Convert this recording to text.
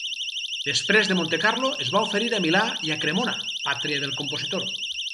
Després de Montecarlo es va oferir a Milà i a Cremona, pàtria del compositor.